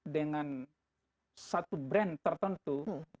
dengan satu brand tertentu